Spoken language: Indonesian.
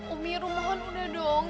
umi rom mohon udah dong